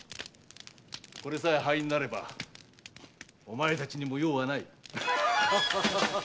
これさえ灰になればお前たちにも用はない。